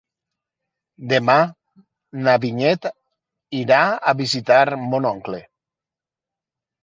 Demà na Vinyet irà a visitar mon oncle.